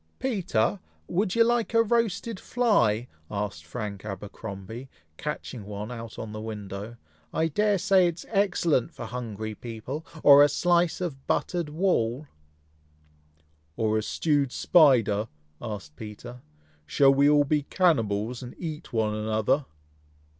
"Peter! would you like a roasted fly?" asked Frank Abercromby, catching one on the window. "I dare say it is excellent for hungry people, or a slice of buttered wall?" "Or a stewed spider?" asked Peter. "Shall we all be cannibals, and eat one another?"